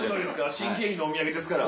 新喜劇のお土産ですから。